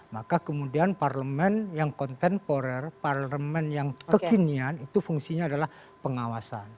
maka kemudian parlemen yang kontemporer parlemen yang kekinian itu fungsinya adalah pengawasan